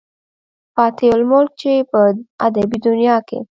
فاتح الملک، چې پۀ ادبي دنيا کښې